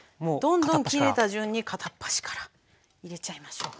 どんどん切れた順に片っ端から入れちゃいましょう。